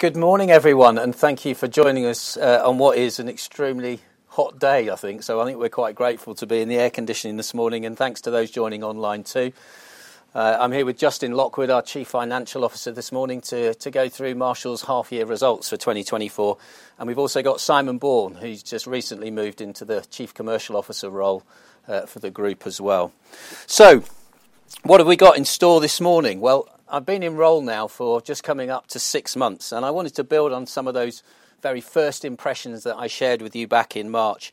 Good morning, everyone, and thank you for joining us on what is an extremely hot day, I think. So I think we're quite grateful to be in the air conditioning this morning, and thanks to those joining online, too. I'm here with Justin Lockwood, our Chief Financial Officer, this morning to go through Marshalls' half-year results for 2024. And we've also got Simon Bourne, who's just recently moved into the Chief Commercial Officer role for the group as well. So, what have we got in store this morning? Well, I've been in role now for just coming up to six months, and I wanted to build on some of those very first impressions that I shared with you back in March,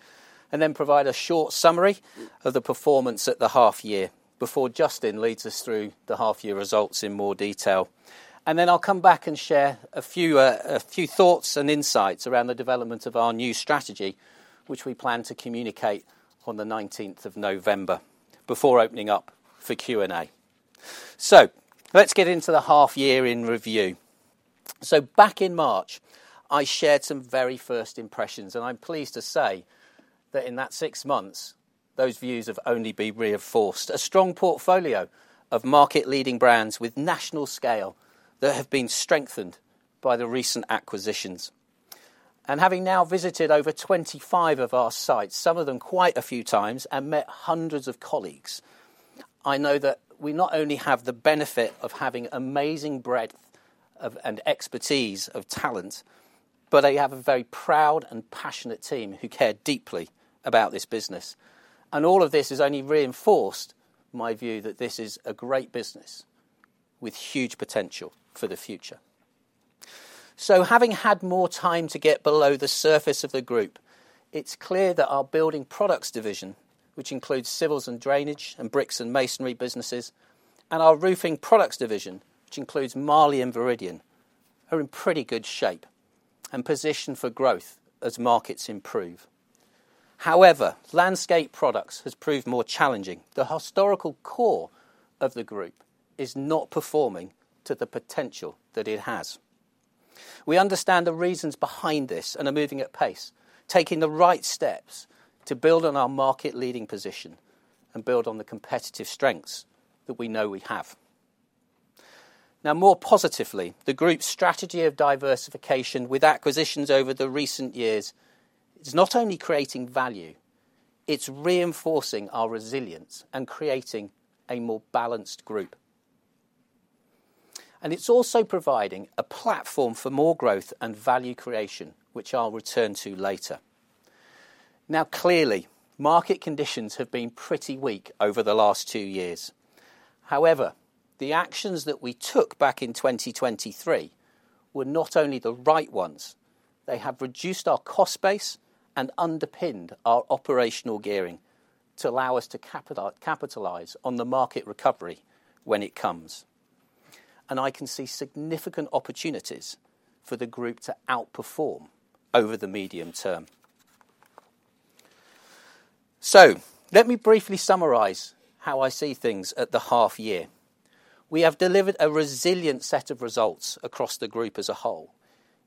and then provide a short summary of the performance at the half-year before Justin Lockwood leads us through the half-year results in more detail. And then I'll come back and share a few thoughts and insights around the development of our new strategy, which we plan to communicate on the nineteenth of November, before opening up for Q&A. So, let's get into the half-year in review. So back in March, I shared some very first impressions, and I'm pleased to say that in that six months, those views have only been reinforced. A strong portfolio of market-leading brands with national scale that have been strengthened by the recent acquisitions. Having now visited over 25 of our sites, some of them quite a few times, and met hundreds of colleagues, I know that we not only have the benefit of having amazing breadth of, and expertise of talent, but I have a very proud and passionate team who care deeply about this business. All of this has only reinforced my view that this is a great business with huge potential for the future. Having had more time to get below the surface of the group, it's clear that our Building Products division, which includes Civils & Drainage and Bricks & Masonry businesses, and our Roofing Products division, which includes Marley and Viridian, are in pretty good shape and positioned for growth as markets improve. However, Landscaping Products has proved more challenging. The historical core of the group is not performing to the potential that it has. We understand the reasons behind this and are moving at pace, taking the right steps to build on our market-leading position and build on the competitive strengths that we know we have. Now, more positively, the group's strategy of diversification with acquisitions over the recent years is not only creating value, it's reinforcing our resilience and creating a more balanced group. And it's also providing a platform for more growth and value creation, which I'll return to later. Now, clearly, market conditions have been pretty weak over the last two years. However, the actions that we took back in 2023 were not only the right ones, they have reduced our cost base and underpinned our operational gearing to allow us to capitalize on the market recovery when it comes. And I can see significant opportunities for the group to outperform over the medium-term. So let me briefly summarize how I see things at the half-year. We have delivered a resilient set of results across the group as a whole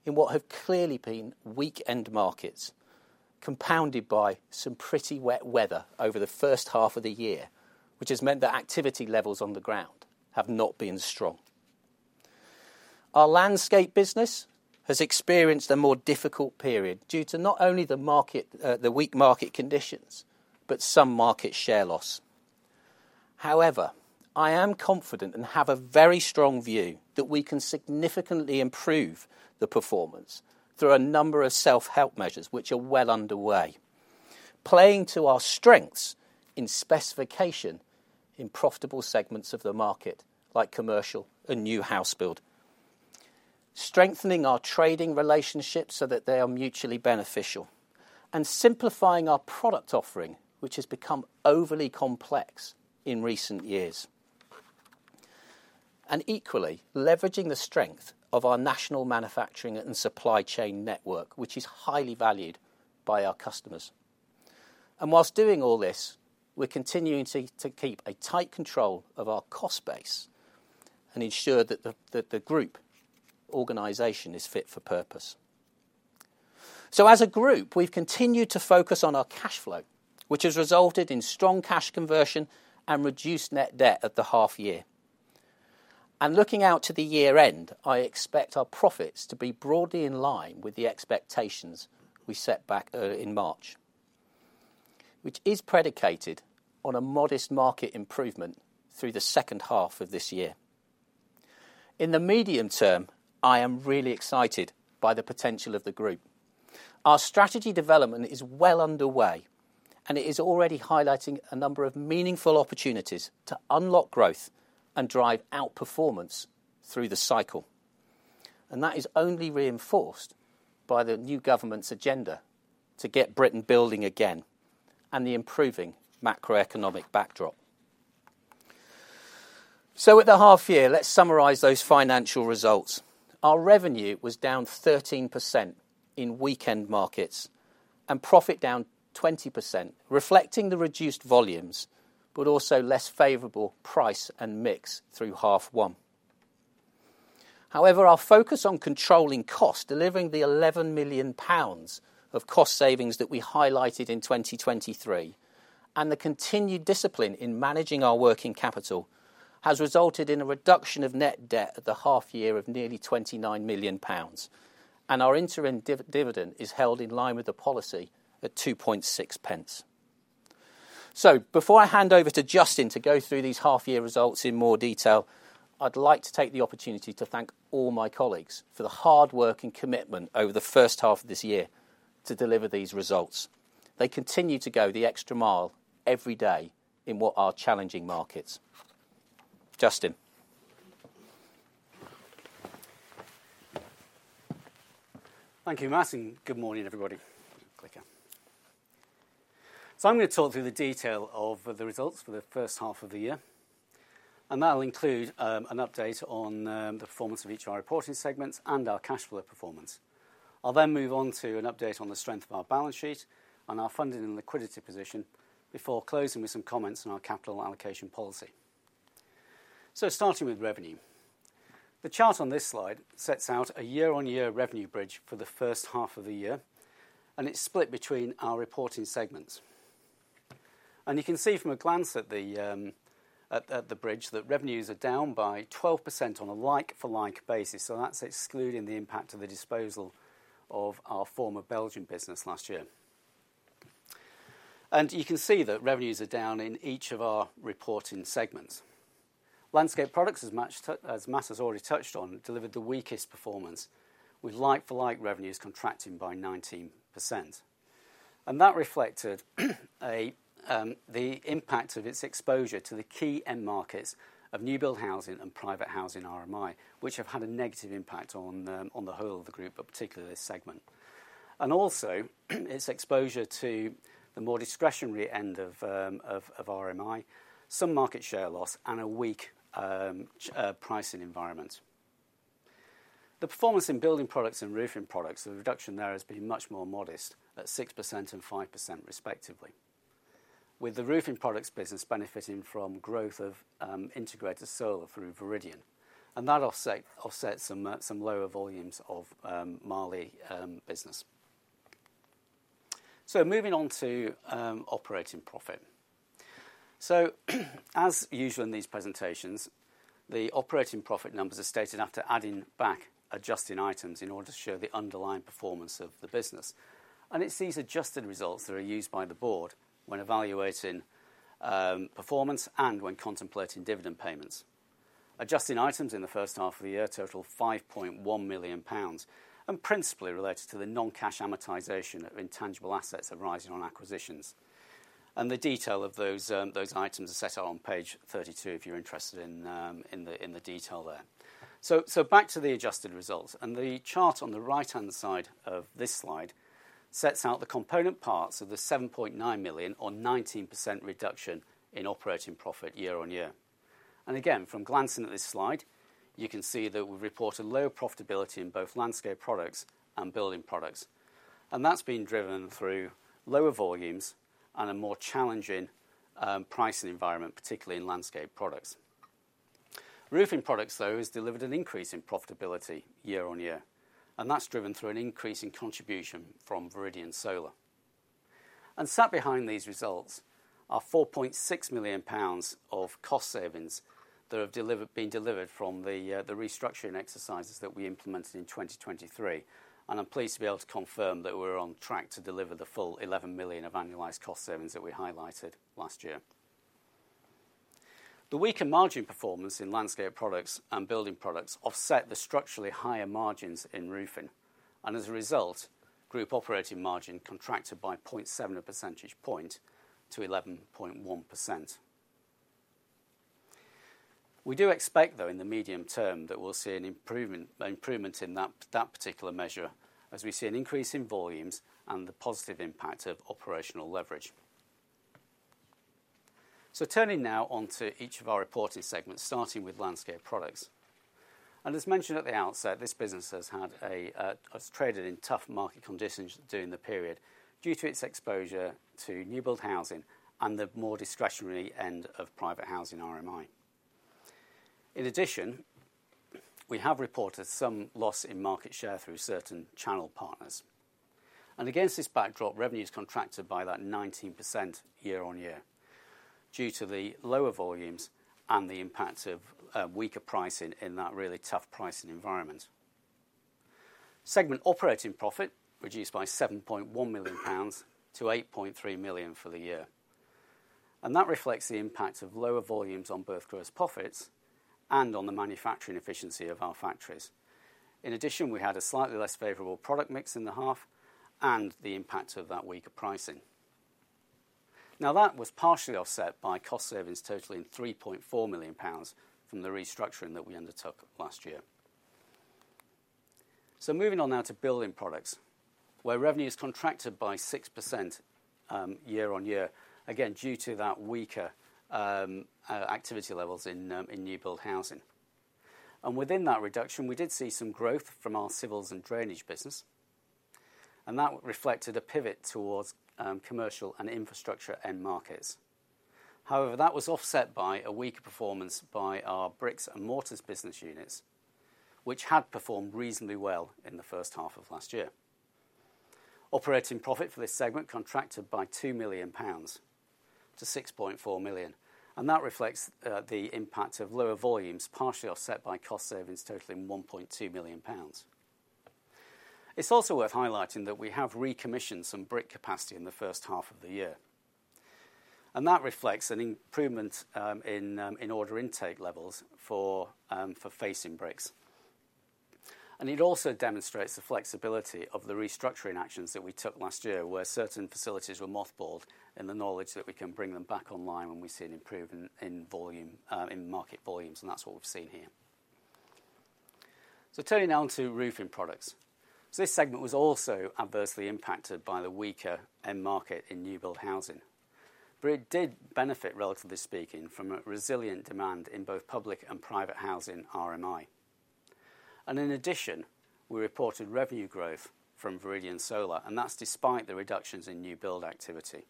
in what have clearly been weak end markets, compounded by some pretty wet weather over the first-half of the year, which has meant that activity levels on the ground have not been strong. Our landscape business has experienced a more difficult period due to not only the market, the weak market conditions, but some market share loss. However, I am confident and have a very strong view that we can significantly improve the performance through a number of self-help measures which are well underway. Playing to our strengths in specification in profitable segments of the market, like commercial and new house build, strengthening our trading relationships so that they are mutually beneficial, and simplifying our product offering, which has become overly complex in recent years. And equally, leveraging the strength of our national manufacturing and supply chain network, which is highly valued by our customers. And whilst doing all this, we're continuing to keep a tight control of our cost base and ensure that the group organization is fit for purpose. So as a group, we've continued to focus on our cash flow, which has resulted in strong cash conversion and reduced net debt at the half-year. Looking out to the year-end, I expect our profits to be broadly in line with the expectations we set back in March, which is predicated on a modest market improvement through the second half of this year. In the medium term, I am really excited by the potential of the group. Our strategy development is well underway, and it is already highlighting a number of meaningful opportunities to unlock growth and drive outperformance through the cycle. And that is only reinforced by the new government's agenda to get Britain building again and the improving macroeconomic backdrop. At the half-year, let's summarize those financial results. Our revenue was down 13% in weakened markets and profit down 20%, reflecting the reduced volumes, but also less favorable price and mix through half-one. However, our focus on controlling cost, delivering the 11 million pounds of cost savings that we highlighted in 2023, and the continued discipline in managing our working capital has resulted in a reduction of net debt at the half-year of nearly 29 million pounds, and our interim dividend is held in line with the policy at 2.6 pence. So before I hand over to Justin Lockwood to go through these half-year results in more detail, I'd like to take the opportunity to thank all my colleagues for the hard work and commitment over the first-half of this year to deliver these results. They continue to go the extra mile every day in what are challenging markets. Justin Lockwood? Thank you, Matt Pullen, and good morning, everybody. Clicker. So I'm going to talk through the detail of the results for the first-half of the year, and that'll include an update on the performance of each of our reporting segments and our cash flow performance. I'll then move on to an update on the strength of our balance sheet and our funding and liquidity position before closing with some comments on our capital allocation policy. So starting with revenue. The chart on this slide sets out a year-on-year revenue bridge for the first-half of the year, and it's split between our reporting segments. You can see from a glance at the bridge that revenues are down by 12% on a like-for-like basis, so that's excluding the impact of the disposal of our former Belgian business last year. You can see that revenues are down in each of our reporting segments. Landscaping Products, as much as Matt Pullen has already touched on, delivered the weakest performance, with like-for-like revenues contracting by 19%. That reflected the impact of its exposure to the key end markets of new build housing and private housing RMI, which have had a negative impact on the whole of the group, but particularly this segment. And also, its exposure to the more discretionary end of RMI, some market share loss and a weak pricing environment. The performance in Building Products and Roofing Products, the reduction there has been much more modest, at 6% and 5% respectively, with the Roofing Products business benefiting from growth of integrated solar through Viridian. And that offset, offsets some lower volumes of Marley business. So moving on to operating profit. So as usual in these presentations, the operating profit numbers are stated after adding back adjusting items in order to show the underlying performance of the business. And it's these adjusted results that are used by the board when evaluating performance and when contemplating dividend payments. Adjusting items in the first-half of the year total 5.1 million pounds, and principally related to the non-cash amortization of intangible assets arising on acquisitions. And the detail of those items are set out on page 32, if you're interested in the detail there. So, back to the adjusted results, and the chart on the right-hand side of this slide sets out the component parts of the 7.9 million 19% reduction in operating profit year-on-year. Again, from glancing at this slide, you can see that we've reported lower profitability in both Landscape Products and Building Products. That's been driven through lower volumes and a more challenging pricing environment, particularly in Landscape Products. Roofing Products, though, has delivered an increase in profitability year-on-year, and that's driven through an increase in contribution from Viridian Solar. Sat behind these results are 4.6 million pounds of cost savings that been delivered from the restructuring exercises that we implemented in 2023. I'm pleased to be able to confirm that we're on track to deliver the full 11 million of annualized cost savings that we highlighted last year. The weaker margin performance in Landscape Products and Building Products offset the structurally higher margins in roofing. And as a result, group operating margin contracted by 0.7 percentage point to 11.1%. We do expect, though, in the medium-term, that we'll see an improvement, improvement in that, that particular measure as we see an increase in volumes and the positive impact of operational leverage. So turning now on to each of our reported segments, starting with Landscape Products. And as mentioned at the outset, this business has had a, has traded in tough market conditions during the period due to its exposure to new build housing and the more discretionary end of private housing RMI. In addition, we have reported some loss in market share through certain channel partners. Against this backdrop, revenues contracted by that 19% year-on-year due to the lower volumes and the impact of weaker pricing in that really tough pricing environment. Segment operating profit reduced by 7.1 million pounds to 8.3 million for the year. And that reflects the impact of lower volumes on both gross profits and on the manufacturing efficiency of our factories. In addition, we had a slightly less favorable product mix in the half and the impact of that weaker pricing. Now, that was partially offset by cost savings totaling 3.4 million pounds from the restructuring that we undertook last year. So moving on now to building products, where revenue is contracted by 6%, year-on-year, again, due to that weaker activity levels in new build housing. And within that reduction, we did see some growth from our Civils & Drainage business, and that reflected a pivot towards commercial and infrastructure end markets. However, that was offset by a weaker performance by our Bricks & Masonry business units, which had performed reasonably well in the first-half of last year. Operating profit for this segment contracted by 2 million pounds to 6.4 million, and that reflects the impact of lower volumes, partially offset by cost savings totaling 1.2 million pounds. It's also worth highlighting that we have recommissioned some brick capacity in the first-half of the year, and that reflects an improvement in order intake levels for facing bricks. It also demonstrates the flexibility of the restructuring actions that we took last year, where certain facilities were mothballed in the knowledge that we can bring them back online when we see an improvement in volume, in market volumes, and that's what we've seen here. Turning now to Roofing Products. This segment was also adversely impacted by the weaker end market in new build housing, but it did benefit, relatively speaking, from a resilient demand in both public and private housing RMI. In addition, we reported revenue growth from Viridian Solar, and that's despite the reductions in new build activity.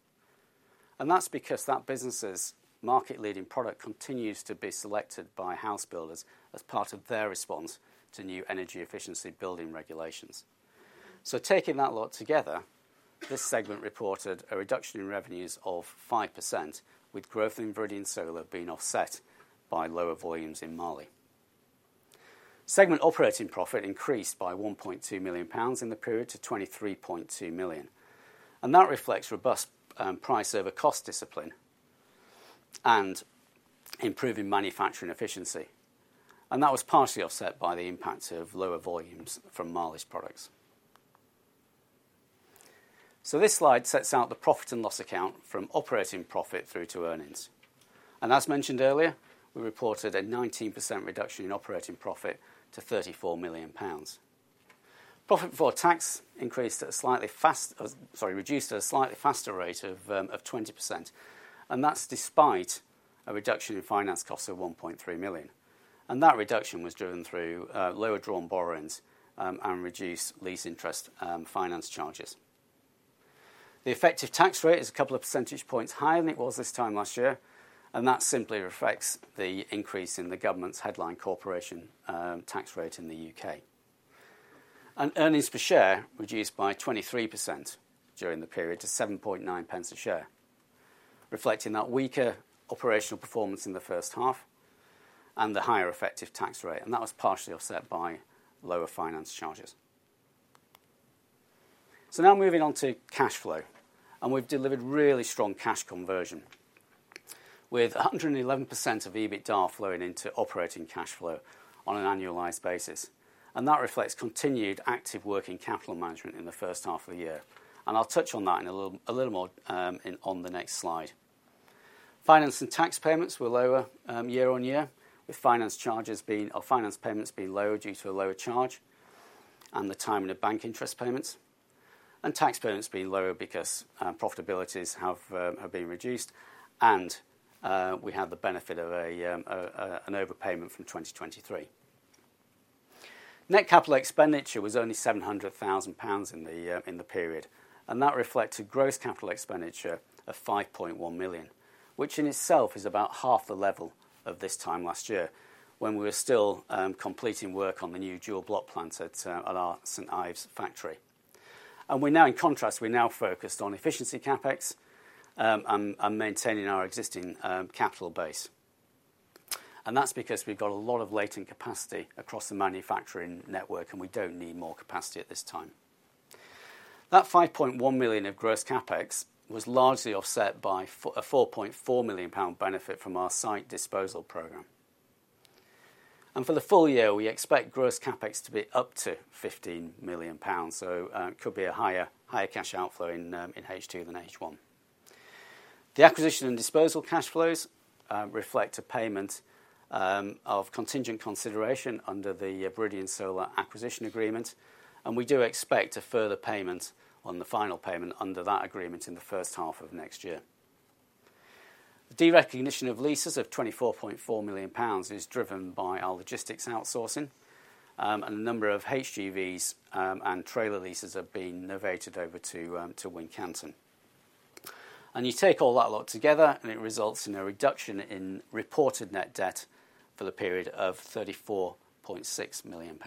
That's because that business's market-leading product continues to be selected by house builders as part of their response to new energy efficiency building regulations. So taking that lot together, this segment reported a reduction in revenues of 5%, with growth in Viridian Solar being offset by lower volumes in Marley. Segment operating profit increased by GBP 1.2 million in the period to GBP 23.2 million, and that reflects robust, price over cost discipline and improving manufacturing efficiency. And that was partially offset by the impact of lower volumes from Marley's products. So this slide sets out the profit and loss account from operating profit through to earnings. And as mentioned earlier, we reported a 19% reduction in operating profit to 34 million pounds. Profit before tax reduced at a slightly faster rate of 20%, and that's despite a reduction in finance costs of 1.3 million. That reduction was driven through lower drawn borrowings and reduced lease interest, finance charges. The effective tax rate is a couple of percentage points higher than it was this time last year, and that simply reflects the increase in the government's headline corporation tax rate in the U.K. Earnings per share reduced by 23% during the period to 7.9 pence a share, reflecting that weaker operational performance in the first-half and the higher effective tax rate, and that was partially offset by lower finance charges. So now moving on to cash flow, and we've delivered really strong cash conversion, with 111% of EBITDA flowing into operating cash flow on an annualized basis. And that reflects continued active working capital management in the first-half of the year. And I'll touch on that in a little more on the next slide. Finance and tax payments were lower year-over-year, with finance payments being lower due to a lower charge and the timing of bank interest payments, and tax payments being lower because profitabilities have been reduced, and we had the benefit of an overpayment from 2023. Net capital expenditure was only 700 thousand pounds in the period, and that reflects a gross capital expenditure of 5.1 million, which in itself is about half the level of this time last year, when we were still completing work on the new dual block plant at our St. Ives factory. And we're now, in contrast, we're now focused on efficiency CapEx, and maintaining our existing capital base. And that's because we've got a lot of latent capacity across the manufacturing network, and we don't need more capacity at this time. That 5.1 million of gross CapEx was largely offset by a 4.4 million pound benefit from our site disposal program. For the full year, we expect gross CapEx to be up to 15 million pounds, so it could be a higher, higher cash outflow in H2 than H1. The acquisition and disposal cash flows reflect a payment of contingent consideration under the Viridian Solar acquisition agreement, and we do expect a further payment on the final payment under that agreement in the first-half of next year. The derecognition of leases of 24.4 million pounds is driven by our logistics outsourcing, and a number of HGVs and trailer leases have been novated over to Wincanton. You take all that lot together, and it results in a reduction in reported net debt for the period of GBP 34.6 million.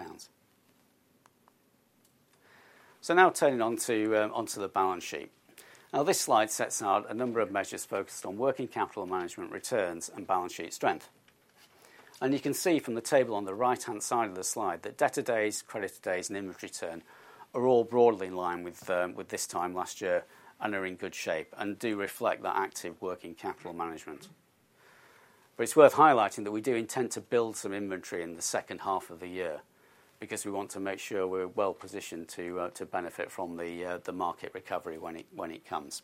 Now turning onto the balance sheet. Now, this slide sets out a number of measures focused on working capital management returns and balance sheet strength. You can see from the table on the right-hand side of the slide that debtor days, creditor days, and inventory turn are all broadly in line with this time last year and are in good shape and do reflect the active working capital management. But it's worth highlighting that we do intend to build some inventory in the second half of the year because we want to make sure we're well positioned to benefit from the market recovery when it comes.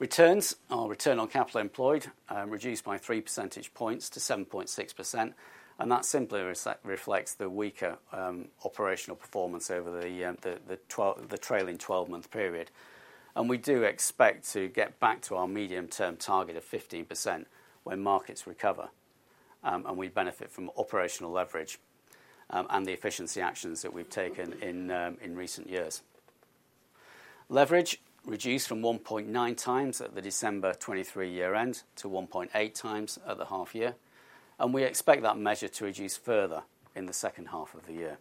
Returns, our return on capital employed reduced by three percentage points to 7.6%, and that simply reflects the weaker operational performance over the trailing 12-month period. We do expect to get back to our medium-term target of 15% when markets recover, and we benefit from operational leverage, and the efficiency actions that we've taken in recent years. Leverage reduced from 1.9x at the December 2023 year-end, to 1.8x at the half-year, and we expect that measure to reduce further in the second-half of the year.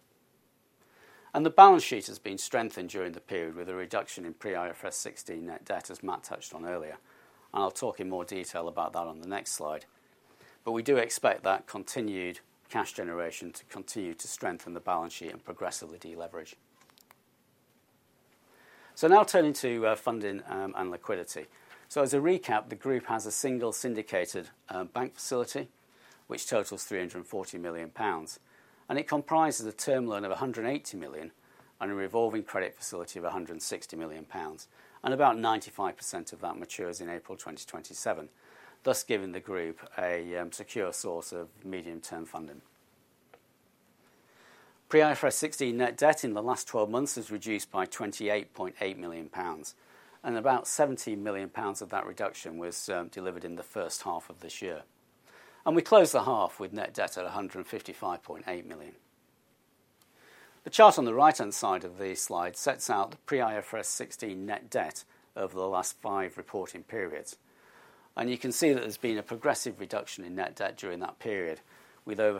The balance sheet has been strengthened during the period, with a reduction in pre-IFRS 16 net debt, as Matt Pullen touched on earlier. I'll talk in more detail about that on the next slide. But we do expect that continued cash generation to continue to strengthen the balance sheet and progressively deleverage. Now turning to funding and liquidity. So as a recap, the group has a single syndicated bank facility, which totals 340 million pounds, and it comprises a term loan of 180 million, and a revolving credit facility of 160 million pounds, and about 95% of that matures in April 2027, thus giving the group a secure source of medium-term funding. Pre-IFRS 16 net debt in the last 12 months has reduced by 28.8 million pounds, and about 17 million pounds of that reduction was delivered in the first-half of this year. We closed the half with net debt at 155.8 million. The chart on the right-hand side of the slide sets out the pre-IFRS 16 net debt over the last five reporting periods, and you can see that there's been a progressive reduction in net debt during that period, with over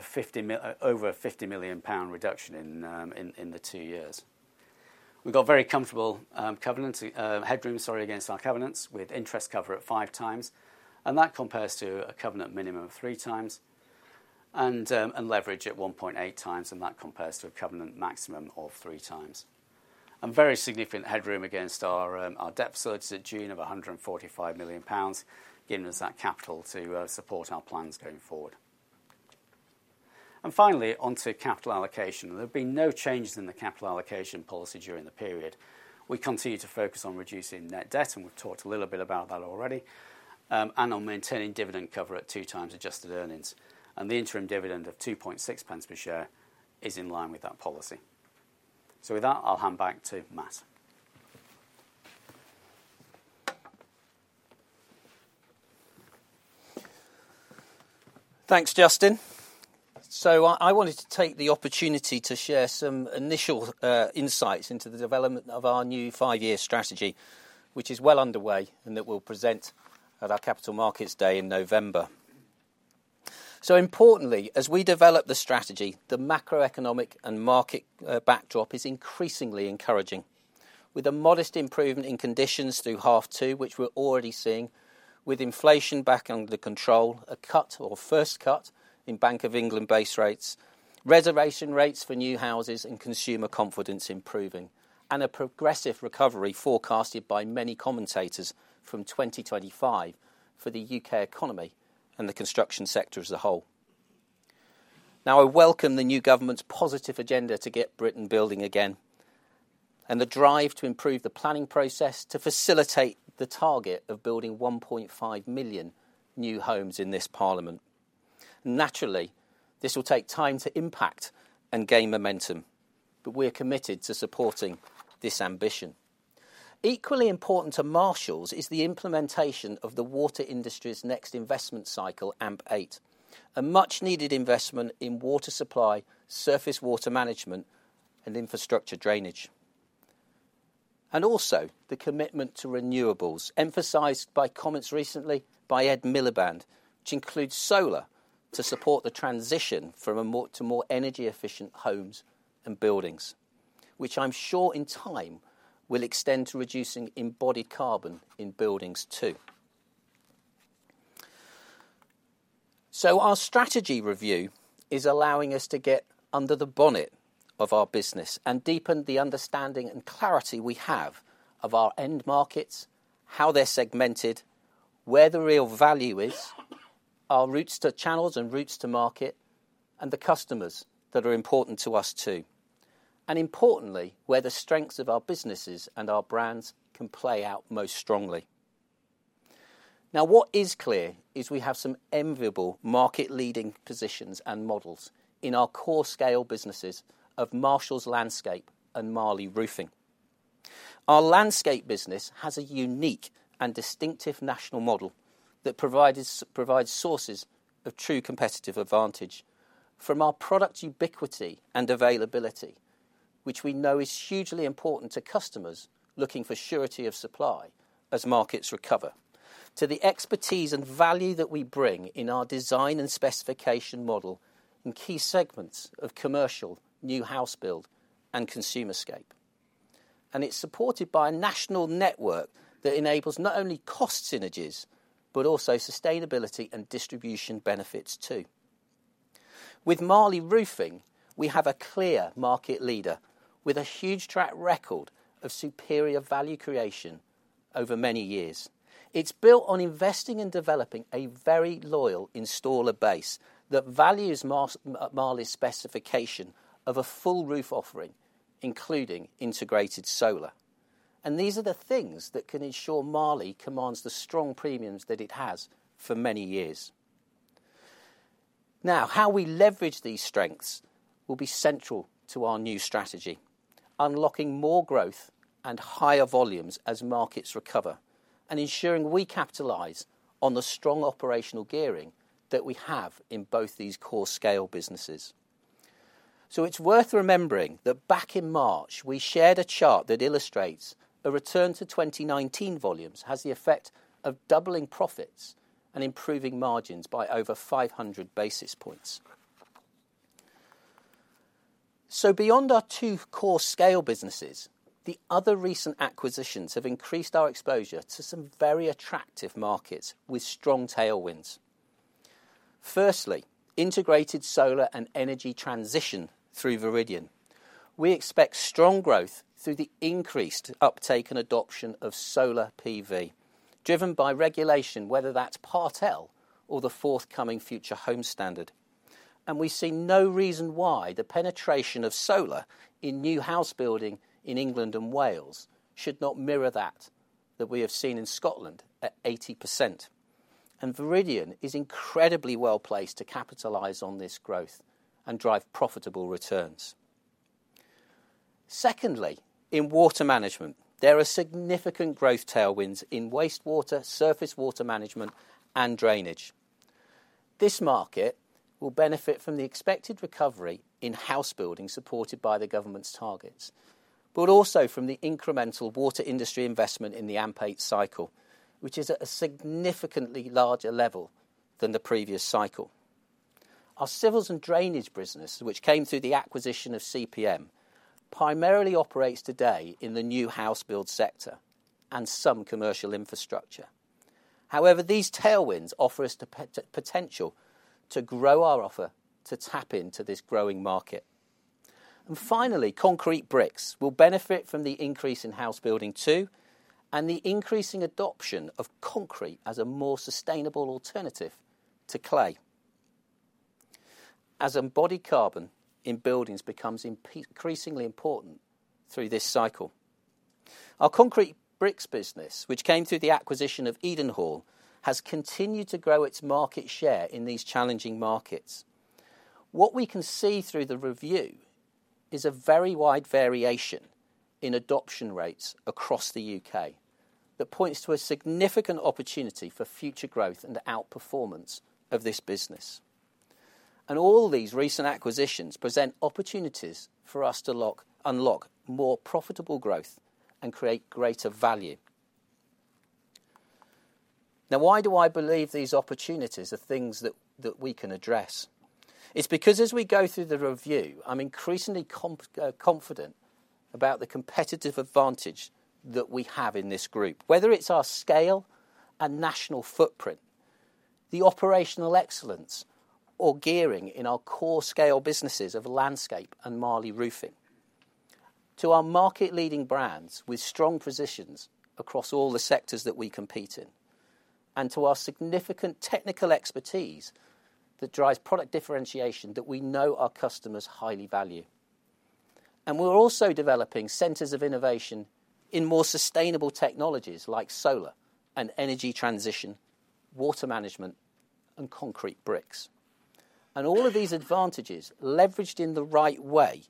a 50 million pound reduction in the two years. We've got very comfortable covenant headroom, sorry, against our covenants, with interest cover at five times, and that compares to a covenant minimum of three times. Leverage at 1.8x, and that compares to a covenant maximum of three times. Very significant headroom against our debt facilities at June of 145 million pounds, giving us that capital to support our plans going forward. Finally, onto capital allocation. There have been no changes in the capital allocation policy during the period. We continue to focus on reducing net debt, and we've talked a little bit about that already, and on maintaining dividend cover at two times adjusted earnings. The interim dividend of 0.026 per share is in line with that policy. With that, I'll hand back to Matt Pullen. Thanks, Justin Lockwood. I wanted to take the opportunity to share some initial insights into the development of our new five-year strategy, which is well underway, and that we'll present at our Capital Markets Day in November. Importantly, as we develop the strategy, the macroeconomic and market backdrop is increasingly encouraging, with a modest improvement in conditions through H2, which we're already seeing, with inflation back under control, a cut or first cut in Bank of England base rates, reservation rates for new houses and consumer confidence improving, and a progressive recovery forecasted by many commentators from 2025 for the U.K. economy and the construction sector as a whole. Now, I welcome the new government's positive agenda to get Britain building again, and the drive to improve the planning process to facilitate the target of building 1.5 million new homes in this parliament. Naturally, this will take time to impact and gain momentum, but we're committed to supporting this ambition. Equally important to Marshalls is the implementation of the water industry's next investment cycle, AMP8, a much-needed investment in water supply, surface water management, and infrastructure drainage. Also, the commitment to renewables, emphasized by comments recently by Ed Miliband, which includes solar, to support the transition from a more, to more energy-efficient homes and buildings, which I'm sure in time will extend to reducing embodied carbon in buildings, too. Our strategy review is allowing us to get under the bonnet of our business and deepen the understanding and clarity we have of our end markets, how they're segmented, where the real value is, our routes to channels and routes to market, and the customers that are important to us, too. Importantly, where the strengths of our businesses and our brands can play out most strongly. Now, what is clear is we have some enviable market-leading positions and models in our core scale businesses of Marshalls Landscaping and Marley Roofing. Our landscape business has a unique and distinctive national model that provides a true competitive advantage. From our product ubiquity and availability, which we know is hugely important to customers looking for surety of supply as markets recover, to the expertise and value that we bring in our design and specification model in key segments of commercial, new house build, and consumer landscape. It's supported by a national network that enables not only cost synergies, but also sustainability and distribution benefits, too. With Marley Roofing, we have a clear market leader with a huge track record of superior value creation over many years. It's built on investing and developing a very loyal installer base that values Marley's specification of a full roof offering, including integrated solar. These are the things that can ensure Marley commands the strong premiums that it has for many years. Now, how we leverage these strengths will be central to our new strategy.... unlocking more growth and higher volumes as markets recover, and ensuring we capitalize on the strong operational gearing that we have in both these core scale businesses. So it's worth remembering that back in March, we shared a chart that illustrates a return to 2019 volumes has the effect of doubling profits and improving margins by over 500 basis points. So beyond our two core scale businesses, the other recent acquisitions have increased our exposure to some very attractive markets with strong tailwinds. Firstly, integrated solar and energy transition through Viridian. We expect strong growth through the increased uptake and adoption of Solar PV, driven by regulation, whether that's Part L or the forthcoming Future Homes Standard. And we see no reason why the penetration of solar in new house building in England and Wales should not mirror that, that we have seen in Scotland at 80%. Viridian is incredibly well-placed to capitalize on this growth and drive profitable returns. Secondly, in water management, there are significant growth tailwinds in wastewater, surface water management, and drainage. This market will benefit from the expected recovery in house building, supported by the government's targets, but also from the incremental water industry investment in the AMP8 cycle, which is at a significantly larger level than the previous cycle. Our Civils & Drainage business, which came through the acquisition of CPM, primarily operates today in the new house build sector and some commercial infrastructure. However, these tailwinds offer us the potential to grow our offer to tap into this growing market. And finally, concrete bricks will benefit from the increase in house building, too, and the increasing adoption of concrete as a more sustainable alternative to clay as embodied carbon in buildings becomes increasingly important through this cycle. Our concrete bricks business, which came through the acquisition of Edenhall, has continued to grow its market share in these challenging markets. What we can see through the review is a very wide variation in adoption rates across the U.K. That points to a significant opportunity for future growth and outperformance of this business. All these recent acquisitions present opportunities for us to unlock more profitable growth and create greater value. Now, why do I believe these opportunities are things that we can address? It's because as we go through the review, I'm increasingly confident about the competitive advantage that we have in this group, whether it's our scale and national footprint, the operational excellence or gearing in our core scale businesses of landscape and Marley Roofing, to our market-leading brands with strong positions across all the sectors that we compete in, and to our significant technical expertise that drives product differentiation that we know our customers highly value. And we're also developing centers of innovation in more sustainable technologies like solar and energy transition, water management, and concrete bricks. And all of these advantages, leveraged in the right way,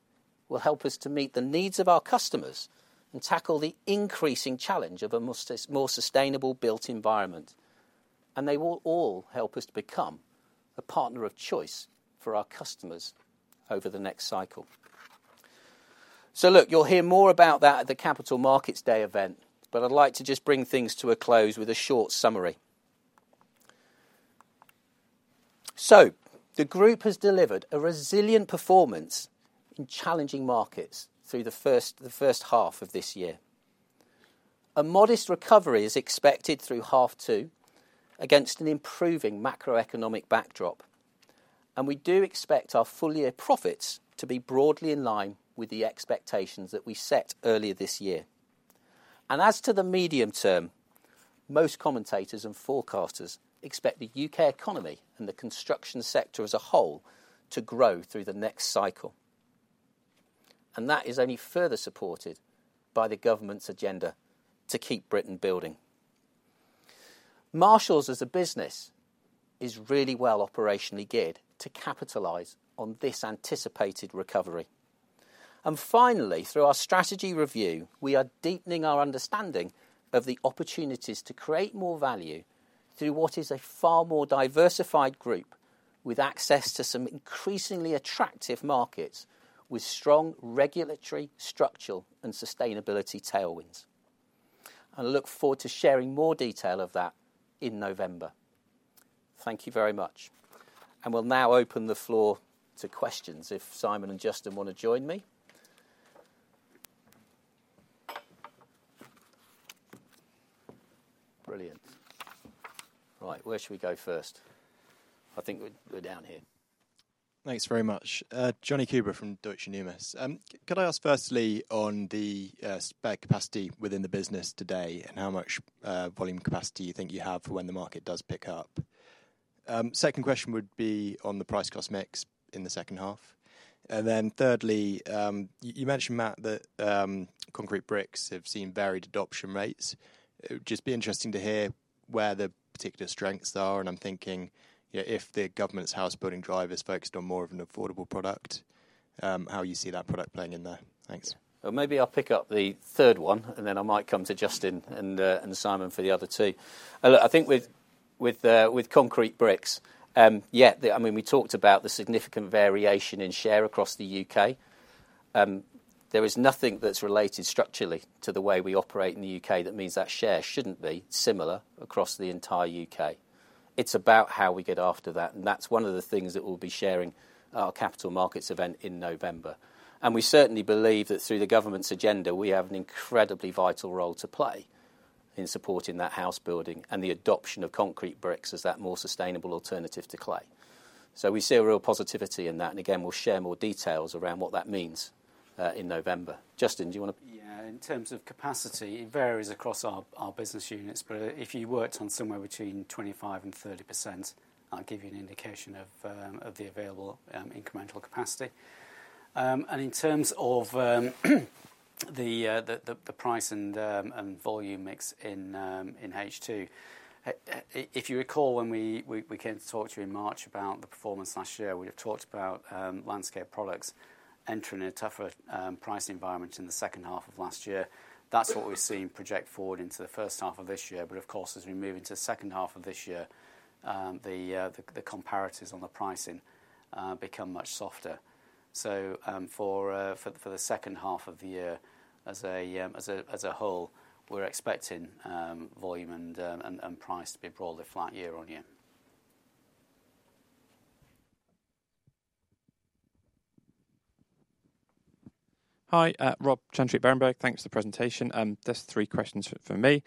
will help us to meet the needs of our customers and tackle the increasing challenge of a more sustainable built environment. And they will all help us to become the partner of choice for our customers over the next cycle. So look, you'll hear more about that at the Capital Markets Day event, but I'd like to just bring things to a close with a short summary. So the group has delivered a resilient performance in challenging markets through the first-half of this year. A modest recovery is expected through half-two, against an improving macroeconomic backdrop, and we do expect our full-year profits to be broadly in line with the expectations that we set earlier this year. As to the medium-term, most commentators and forecasters expect the U.K. economy and the construction sector as a whole to grow through the next cycle, and that is only further supported by the government's agenda to keep Britain building. Marshalls, as a business, is really well operationally geared to capitalize on this anticipated recovery. And finally, through our strategy review, we are deepening our understanding of the opportunities to create more value through what is a far more diversified group, with access to some increasingly attractive markets, with strong regulatory, structural, and sustainability tailwinds. I look forward to sharing more detail of that in November. Thank you very much. And we'll now open the floor to questions if Simon Bourne and Justin Lockwood want to join me. Brilliant. Right, where should we go first? I think we're down here. Thanks very much, Jonny Coubrough from Deutsche Numis. Could I ask firstly on the spare capacity within the business today and how much volume capacity you think you have for when the market does pick up? Second question would be on the price-cost mix in the second half. Then thirdly, you mentioned, Matt Pullen, that concrete bricks have seen varied adoption rates. It would just be interesting to hear where the particular strengths are, and I'm thinking, yeah, if the government's house building drive is focused on more of an affordable product, how you see that product playing in there? Thanks. Well, maybe I'll pick up the third one, and then I might come to Justin Lockwood and Simon Bourne for the other two. Look, I think with concrete bricks, I mean, we talked about the significant variation in share across the U.K. There is nothing that's related structurally to the way we operate in the U.K. that means that share shouldn't be similar across the entire U.K. It's about how we get after that, and that's one of the things that we'll be sharing at our capital markets event in November. And we certainly believe that through the government's agenda, we have an incredibly vital role to play in supporting that house building and the adoption of concrete bricks as that more sustainable alternative to clay. So we see a real positivity in that, and again, we'll share more details around what that means, in November. Justin Lockwood, do you wanna- Yeah, in terms of capacity, it varies across our business units, but if you worked on somewhere between 25% and 30%, that'll give you an indication of the available incremental capacity. And in terms of the price and volume mix in H2, if you recall, when we came to talk to you in March about the performance last year, we had talked about Landscape Products entering a tougher pricing environment in the second-half of last year. That's what we've seen project forward into the first-half of this year, but of course, as we move into second-half of this year, the comparatives on the pricing become much softer. So, for the second-half of the year, as a whole, we're expecting volume and price to be broadly flat year-on-year. Hi, Rob Chantry at Berenberg. Thanks for the presentation. Just three questions for me.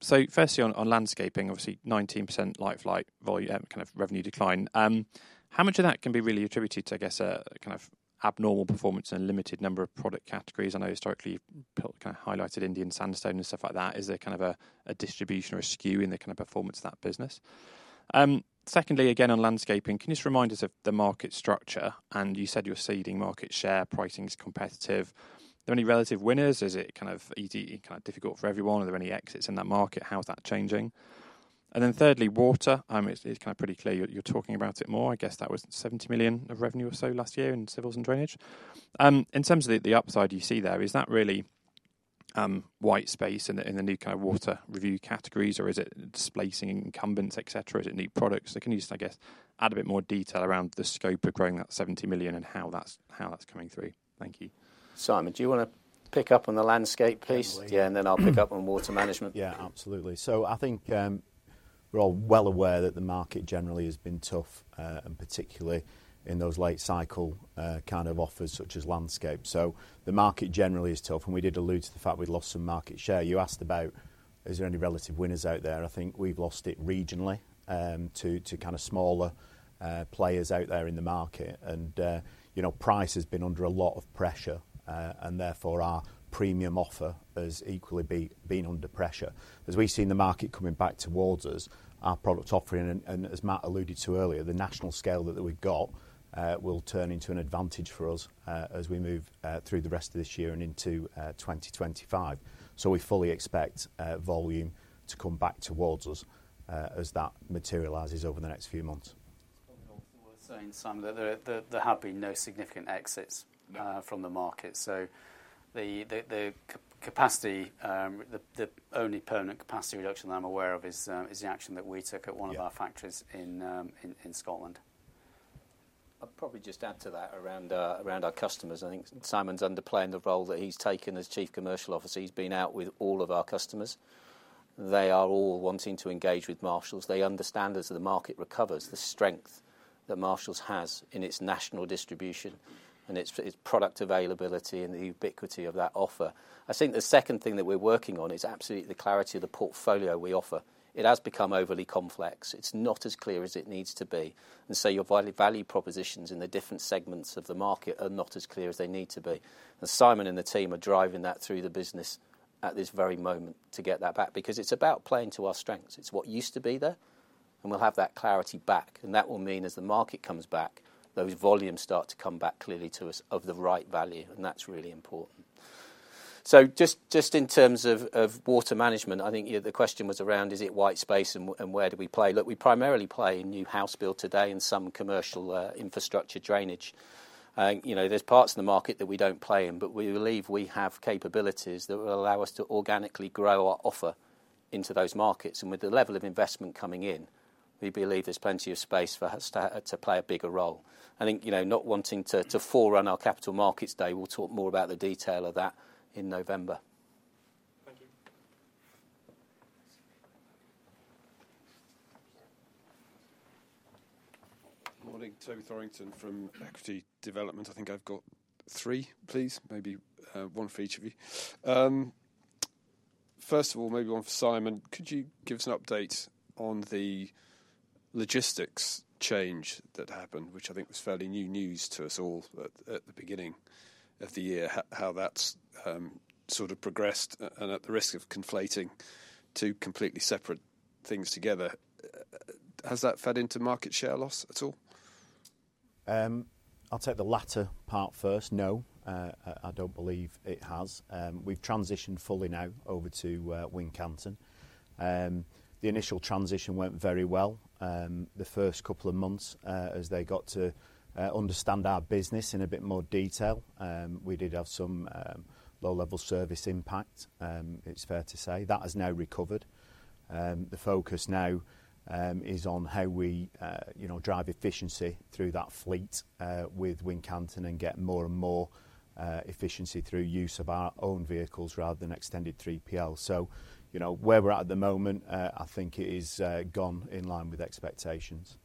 So firstly, on landscaping, obviously, 19% like-for-like volume, kind of revenue decline. How much of that can be really attributed to, I guess, a kind of abnormal performance and limited number of product categories? I know historically you've kind of highlighted Indian sandstone and stuff like that. Is there kind of a distribution or a skew in the kind of performance of that business? Secondly, again, on landscaping, can you just remind us of the market structure? And you said you're ceding market share, pricing is competitive. Are there any relative winners? Is it kind of easy, kind of difficult for everyone, are there any exits in that market? How is that changing? And then thirdly, water. It's kind of pretty clear you're talking about it more. I guess that was 70 million of revenue or so last year in Civils & Drainage. In terms of the upside you see there, is that really white space in the new kind of water review categories, or is it displacing incumbents, et cetera? Is it new products? Can you just add a bit more detail around the scope of growing that 70 million and how that's coming through? Thank you. Simon Bourne, do you wanna pick up on the landscape, please? Absolutely. Yeah, and then I'll pick up on water management. Yeah, absolutely. So I think, we're all well aware that the market generally has been tough, and particularly in those late cycle, kind of offers, such as landscape. So the market generally is tough, and we did allude to the fact we'd lost some market share. You asked about, is there any relative winners out there? I think we've lost it regionally, to kind of smaller, players out there in the market. And, you know, price has been under a lot of pressure, and therefore, our premium offer has equally been under pressure. As we've seen the market coming back towards us, our product offering, and as Matt Pullen alluded to earlier, the national scale that we've got, will turn into an advantage for us, as we move through the rest of this year and into 2025. So we fully expect volume to come back towards us, as that materializes over the next few months. It's probably also worth saying, Simon Bourne, that there have been no significant exits- No... from the market. So the capacity, the only permanent capacity reduction that I'm aware of is the action that we took at one of our- Yeah... factories in Scotland. I'd probably just add to that around our, around our customers. I think Simon Bourne's underplaying the role that he's taken as Chief Commercial Officer. He's been out with all of our customers. They are all wanting to engage with Marshalls. They understand, as the market recovers, the strength that Marshalls has in its national distribution and its, its product availability and the ubiquity of that offer. I think the second thing that we're working on is absolutely the clarity of the portfolio we offer. It has become overly complex. It's not as clear as it needs to be, and so your value, value propositions in the different segments of the market are not as clear as they need to be. And Simon Bourne and the team are driving that through the business at this very moment to get that back, because it's about playing to our strengths. It's what used to be there, and we'll have that clarity back, and that will mean as the market comes back, those volumes start to come back clearly to us of the right value, and that's really important. So just in terms of water management, I think, you know, the question was around, is it white space, and where do we play? Look, we primarily play in new house build today and some commercial infrastructure drainage. You know, there's parts of the market that we don't play in, but we believe we have capabilities that will allow us to organically grow our offer into those markets, and with the level of investment coming in, we believe there's plenty of space for us to play a bigger role. I think, you know, not wanting to forerun our Capital Markets Day, we'll talk more about the detail of that in November. Thank you. Morning. Toby Thorrington from Equity Development. I think I've got three, please. Maybe, one for each of you. First of all, maybe one for Simon Bourne: Could you give us an update on the logistics change that happened, which I think was fairly new news to us all at the beginning of the year, how that's sort of progressed, and at the risk of conflating two completely separate things together, has that fed into market share loss at all?... I'll take the latter part first. No, I don't believe it has. We've transitioned fully now over to Wincanton. The initial transition went very well. The first couple of months, as they got to understand our business in a bit more detail, we did have some low-level service impact, it's fair to say. That has now recovered. The focus now is on how we, you know, drive efficiency through that fleet with Wincanton and get more and more efficiency through use of our own vehicles rather than extended 3PL. So, you know, where we're at, at the moment, I think it is gone in line with expectations.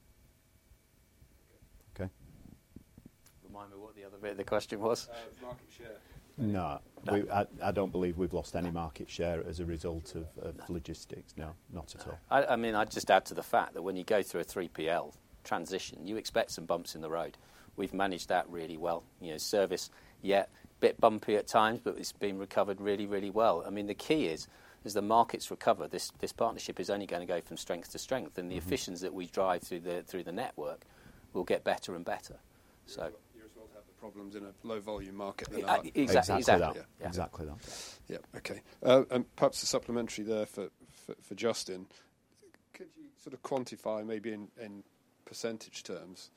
Okay. Remind me what the other bit of the question was? Market share. No. No. I don't believe we've lost any market share. No. as a result of, of logistics. No. No, not at all. I mean, I'd just add to the fact that when you go through a 3PL transition, you expect some bumps in the road. We've managed that really well. You know, service, yeah, bit bumpy at times, but it's been recovered really, really well. I mean, the key is, as the markets recover, this partnership is only gonna go from strength to strength. Mm-hmm. and the efficiencies that we drive through the network will get better and better. So... You're as well to have the problems in a low-volume market than a- Ex-exactly. Exactly that. Yeah. Exactly that. Yeah, okay. And perhaps a supplementary there for Justin Lockwood: Could you sort of quantify maybe in percentage terms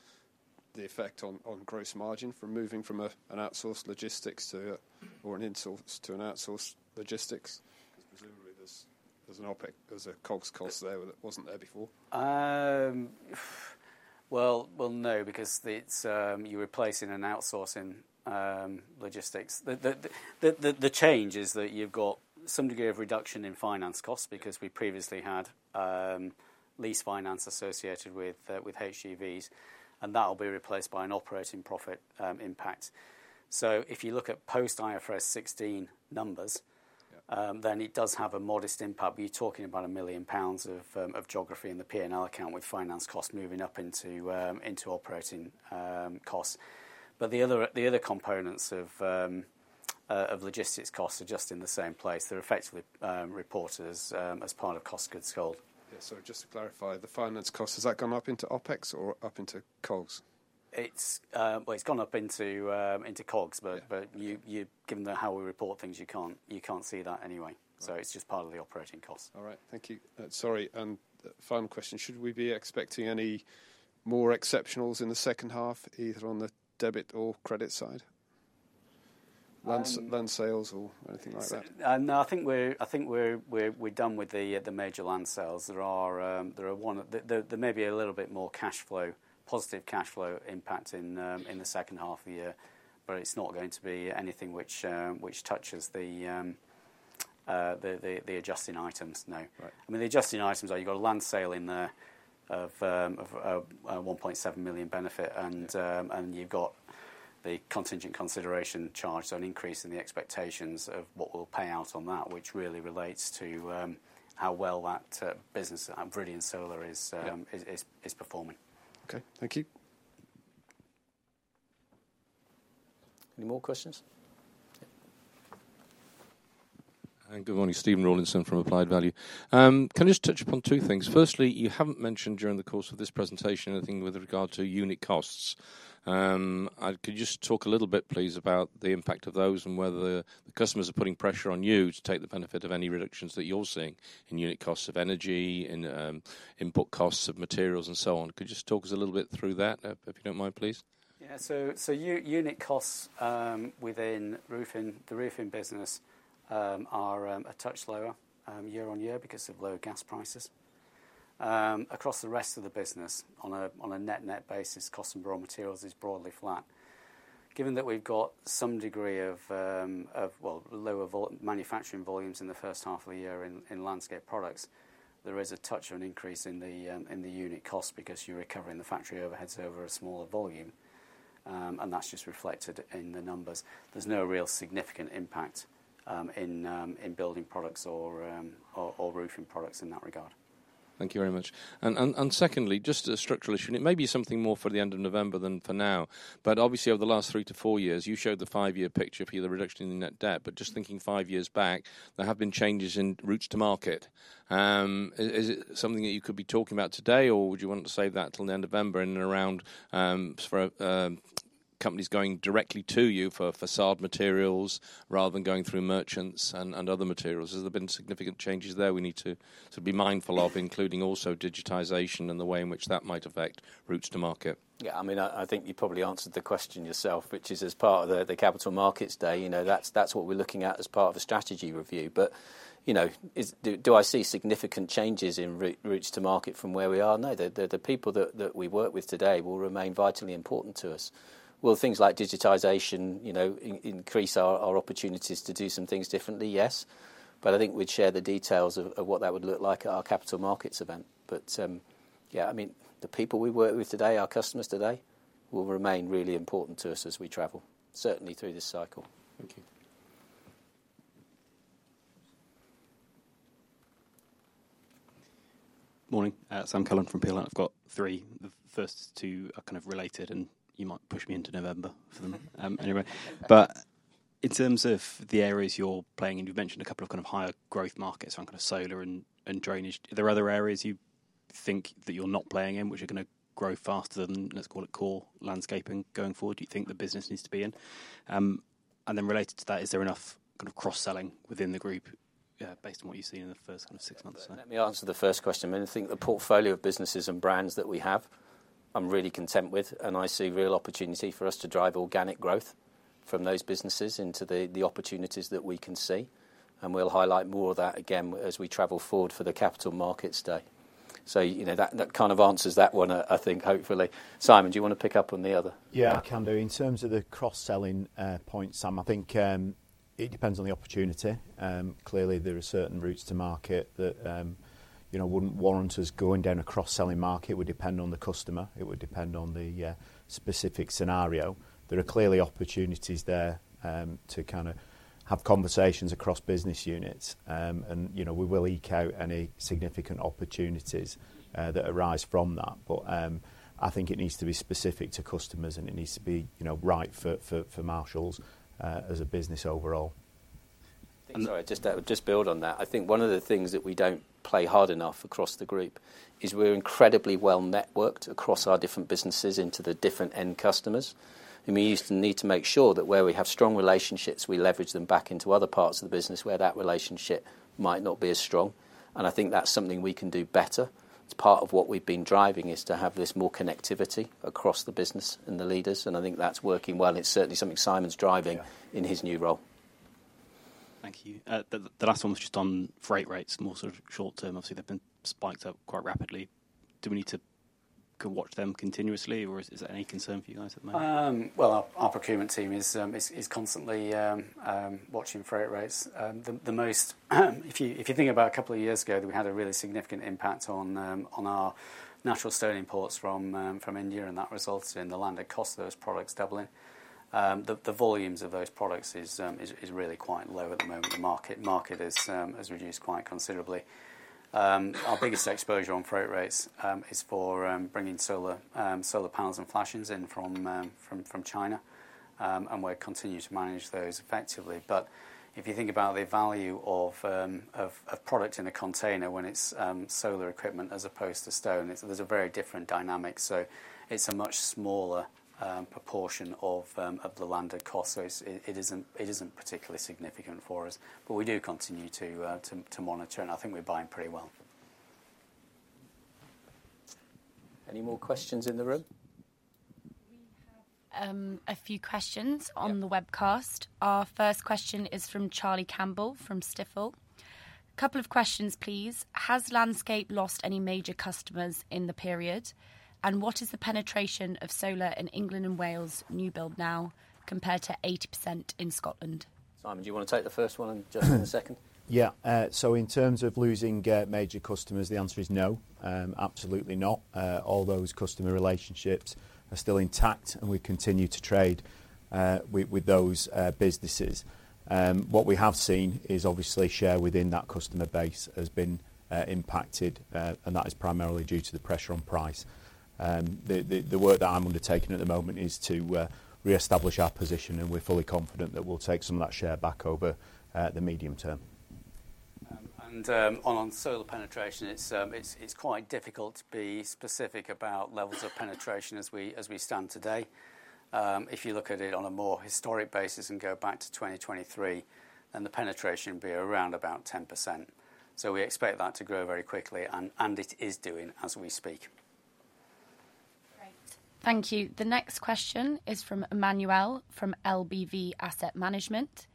the effect on gross margin from moving from an insourced logistics to an outsourced logistics? 'Cause presumably, there's an OpEx, there's a COGS cost there that wasn't there before? Well, no, because it's you're replacing an outsourcing logistics. The change is that you've got some degree of reduction in finance costs because we previously had lease finance associated with with HGVs, and that will be replaced by an operating profit impact. So if you look at post-IFRS 16 numbers- Yeah... then it does have a modest impact, but you're talking about 1 million pounds of geography in the P&L account, with finance costs moving up into operating costs. But the other components of logistics costs are just in the same place. They're effectively reported as part of cost of goods sold. Yeah. So just to clarify, the finance cost, has that gone up into OpEx or up into COGS? It's, well, it's gone up into COGS. Yeah. But you, given the how we report things, you can't see that anyway. Right. It's just part of the operating cost. All right. Thank you. Sorry, and final question: Should we be expecting any more exceptionals in the second-half, either on the debit or credit side? Um- Land, land sales or anything like that? No, I think we're done with the major land sales. There may be a little bit more cash flow, positive cash flow impact in the second-half of the year, but it's not going to be anything which touches the adjusting items, no. Right. I mean, the adjusting items are, you've got a land sale in there of 1.7 million benefit, and- Yeah... and you've got the contingent consideration charged, so an increase in the expectations of what we'll pay out on that, which really relates to, how well that, business, Viridian Solar is- Yeah... is performing. Okay. Thank you. Any more questions? Yeah. Hi, good morning. Stephen Rawlinson from Applied Value. Can you just touch upon two things? Mm-hmm. Firstly, you haven't mentioned during the course of this presentation anything with regard to unit costs. Could you just talk a little bit, please, about the impact of those and whether the customers are putting pressure on you to take the benefit of any reductions that you're seeing in unit costs of energy, in input costs of materials, and so on? Could you just talk us a little bit through that, if you don't mind, please? Yeah, so unit costs within roofing, the roofing business, are a touch lower year-on-year because of lower gas prices. Across the rest of the business, on a net-net basis, cost of raw materials is broadly flat. Given that we've got some degree of well, lower manufacturing volumes in the first-half of the year in Landscape Products, there is a touch of an increase in the unit cost because you're recovering the factory overheads over a smaller volume, and that's just reflected in the numbers. There's no real significant impact in building products or Roofing Products in that regard. Thank you very much. And secondly, just a structural issue, and it may be something more for the end of November than for now, but obviously, over the last 3 years-4 years, you've showed the five-year picture for the reduction in the net debt, but just thinking five years back, there have been changes in routes to market. Is it something that you could be talking about today, or would you want to save that till the end of November in and around companies going directly to you for façade materials rather than going through merchants and other materials? Has there been significant changes there we need to be mindful of, including also digitization and the way in which that might affect routes to market? Yeah, I mean, I think you probably answered the question yourself, which is as part of the Capital Markets Day, you know, that's what we're looking at as part of a strategy review. But, you know, do I see significant changes in routes to market from where we are? No. The people that we work with today will remain vitally important to us. Will things like digitization, you know, increase our opportunities to do some things differently? Yes. But I think we'd share the details of what that would look like at our capital markets event. But, yeah, I mean, the people we work with today, our customers today, will remain really important to us as we travel, certainly through this cycle. Thank you. Morning. Sam Cullen from Peel. I've got three. The first two are kind of related, and you might push me into November for them. In terms of the areas you're playing in, you've mentioned a couple of kind of higher growth markets, on kind of solar and, and drainage. Are there other areas you think that you're not playing in which are gonna grow faster than, let's call it, core landscaping going forward, do you think the business needs to be in? And then related to that, is there enough kind of cross-selling within the group, based on what you've seen in the first kind of six months? Let me answer the first question. When I think the portfolio of businesses and brands that we have, I'm really content with, and I see real opportunity for us to drive organic growth from those businesses into the opportunities that we can see, and we'll highlight more of that again as we travel forward for the Capital Markets Day. So, you know, that kind of answers that one, I think, hopefully. Simon Bourne, do you want to pick up on the other? Yeah, I can do. In terms of the cross-selling point, Sam Cullen, I think it depends on the opportunity. Clearly, there are certain routes to market that, you know, wouldn't warrant us going down a cross-selling market, it would depend on the customer, it would depend on the specific scenario. There are clearly opportunities there to kind of have conversations across business units. And, you know, we will eke out any significant opportunities that arise from that. But I think it needs to be specific to customers, and it needs to be, you know, right for Marshalls as a business overall. Sorry, just build on that. I think one of the things that we don't play hard enough across the group is we're incredibly well-networked across our different businesses into the different end customers, and we used to need to make sure that where we have strong relationships, we leverage them back into other parts of the business where that relationship might not be as strong, and I think that's something we can do better. It's part of what we've been driving is to have this more connectivity across the business and the leaders, and I think that's working well. It's certainly something Simon Bourne's driving- Yeah. in his new role. Thank you. The last one was just on freight rates, more sort of short term. Obviously, they've been spiked up quite rapidly. Do we need to go watch them continuously, or is there any concern for you guys at the moment? Well, our procurement team is constantly watching freight rates. If you think about a couple of years ago, that we had a really significant impact on our natural stone imports from India, and that resulted in the landed cost of those products doubling. The volumes of those products is really quite low at the moment. The market has reduced quite considerably. Our biggest exposure on freight rates is for bringing solar panels and flashings in from China, and we continue to manage those effectively. But if you think about the value of product in a container when it's solar equipment, as opposed to stone, it's a very different dynamic, so it's a much smaller proportion of the landed cost. So it isn't particularly significant for us, but we do continue to monitor, and I think we're buying pretty well. Any more questions in the room? We have a few questions on the webcast. Yeah. Our first question is from Charlie Campbell from Stifel. Couple of questions, please: Has Landscape lost any major customers in the period? And what is the penetration of solar in England and Wales new build now, compared to 80% in Scotland? Simon Bourne, do you want to take the first one, and Justin Lockwood the second? Yeah, so in terms of losing major customers, the answer is no, absolutely not. All those customer relationships are still intact, and we continue to trade with those businesses. What we have seen is obviously share within that customer base has been impacted, and that is primarily due to the pressure on price. The work that I'm undertaking at the moment is to reestablish our position, and we're fully confident that we'll take some of that share back over the medium-term. And on solar penetration, it's quite difficult to be specific about levels of penetration as we stand today. If you look at it on a more historic basis and go back to 2023, then the penetration would be around about 10%. So we expect that to grow very quickly, and it is doing as we speak. Great. Thank you. The next question is from Emmanuel, from LBV Asset Management,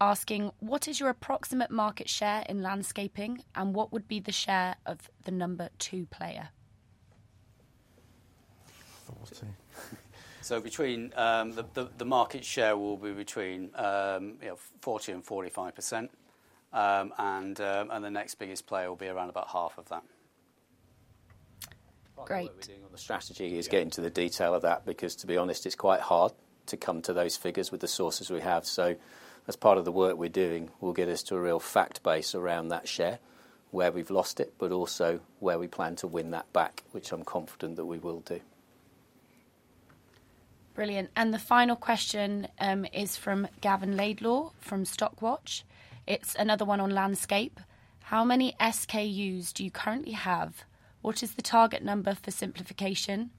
asking: What is your approximate market share in landscaping, and what would be the share of the number two player? Forty. So the market share will be between, you know, 40%-45%. And the next biggest player will be around about half of that. Great. Part of what we're doing on the strategy is getting to the detail of that, because to be honest, it's quite hard to come to those figures with the sources we have. So as part of the work we're doing, will get us to a real fact base around that share, where we've lost it, but also where we plan to win that back, which I'm confident that we will do. Brilliant. And the final question, is from Gavin Laidlaw, from Stockwatch. It's another one on landscape: How many SKUs do you currently have? What is the target number for simplification,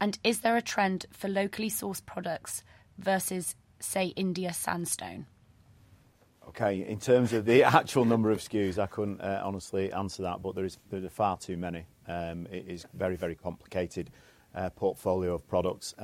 and is there a trend for locally sourced products versus, say, Indian sandstone? Okay, in terms of the actual number of SKUs, I couldn't honestly answer that, but there are far too many. It is very, very complicated portfolio of products.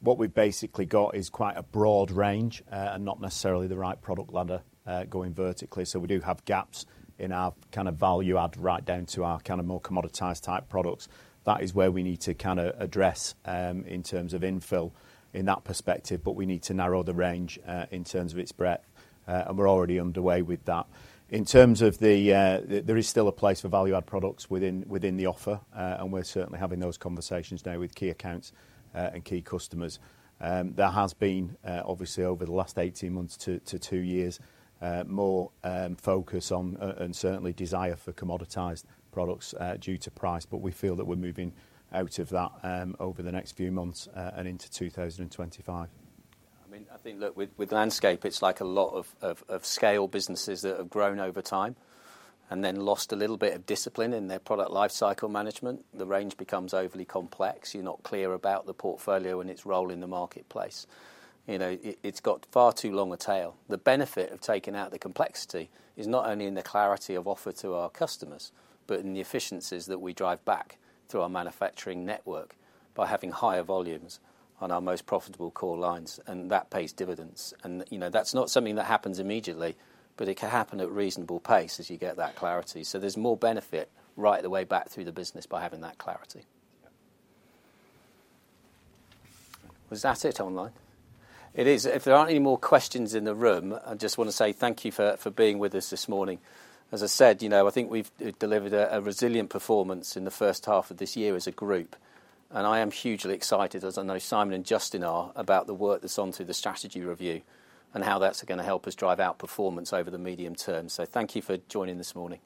What we've basically got is quite a broad range and not necessarily the right product ladder going vertically. So we do have gaps in our kind of value add, right down to our kind of more commoditized type products. That is where we need to kind of address in terms of infill in that perspective, but we need to narrow the range in terms of its breadth and we're already underway with that. In terms of, there is still a place for value-add products within the offer and we're certainly having those conversations now with key accounts and key customers. There has been, obviously, over the last 18 months to 2 years, more focus on, and certainly desire for commoditized products, due to price, but we feel that we're moving out of that, over the next few months, and into 2025. I mean, I think that with landscape, it's like a lot of scale businesses that have grown over time and then lost a little bit of discipline in their product lifecycle management. The range becomes overly complex. You're not clear about the portfolio and its role in the marketplace. You know, it's got far too long a tail. The benefit of taking out the complexity is not only in the clarity of offer to our customers, but in the efficiencies that we drive back through our manufacturing network by having higher volumes on our most profitable core lines, and that pays dividends. You know, that's not something that happens immediately, but it can happen at reasonable pace as you get that clarity. So there's more benefit right the way back through the business by having that clarity. Yeah. Was that it online? It is. If there aren't any more questions in the room, I just want to say thank you for, for being with us this morning. As I said, you know, I think we've delivered a, a resilient performance in the first-half of this year as a group, and I am hugely excited, as I know Simon Bourne and Justin Lockwood are, about the work that's on through the strategy review and how that's gonna help us drive our performance over the medium-term. So thank you for joining this morning.